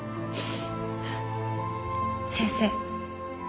先生